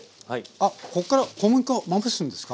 あこっから小麦粉をまぶすんですか？